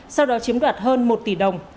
sau đó chiếm đoạt hơn một tỷ đồng